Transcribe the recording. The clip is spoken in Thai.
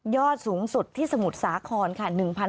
ยอดสูงสุดที่สมุทรสาครค่ะ๑๓๓๓